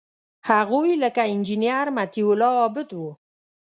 هغوی لکه انجینیر مطیع الله عابد وو.